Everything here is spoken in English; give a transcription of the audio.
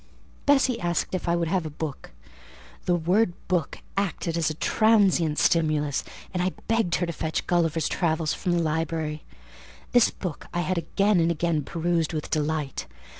Bessie asked if I would have a book: the word book acted as a transient stimulus, and I begged her to fetch Gulliver's Travels from the library. This book I had again and again perused with delight.